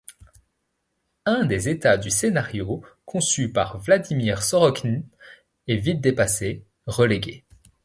Un des états du scénario, conçu par Vladimir Sorokine, est vite dépassé, relégué.